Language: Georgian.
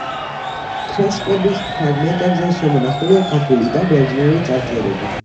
ფრესკების ფრაგმენტებზე შემონახულია ქართული და ბერძნული წარწერები.